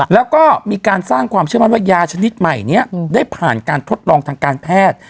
แล้วก็มีการสร้างความเชื่อมั่นว่ายาชนิดใหม่นี้ได้ผ่านการทดลองทางการแพทย์